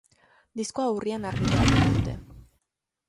Diskoa urrian argitaratuko dute.